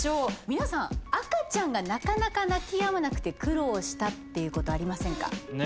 皆さん赤ちゃんがなかなか泣きやまなくて苦労したっていうことありませんか？